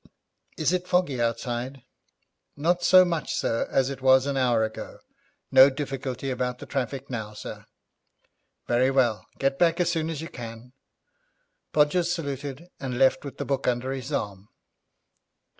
'Is it foggy outside?' 'Not so much, sir, as it was an hour ago. No difficulty about the traffic now, sir.' 'Very well, get back as soon as you can.' Podgers saluted, and left with the book under his arm.